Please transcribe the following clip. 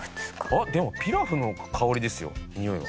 あっでもピラフの香りですよにおいは。